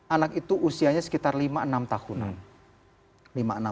anak itu usianya sekitar lima enam tahunan